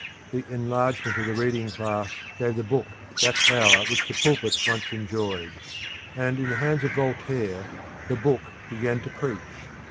The enlargement of the reading class gave the Book that power which the pulpit once enjoyed, and in the hands of Voltaire the Book began to preach.